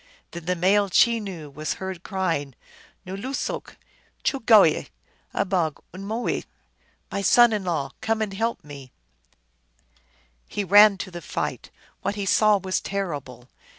Then the male Chenoo was heard crying :" N loosook ! choogooye ! abog unu mooe !"" My son in law, come and help me !" He ran to the fight. What he saw was terrible